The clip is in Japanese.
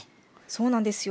そんなんですよ。